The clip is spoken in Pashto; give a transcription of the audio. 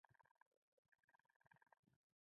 دا کارونه یو هم ونشول.